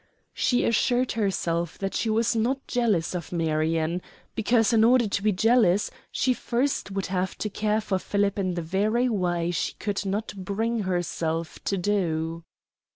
She assured herself that she was not jealous of Marion, because, in order to be jealous, she first would have to care for Philip in the very way she could not bring herself to do.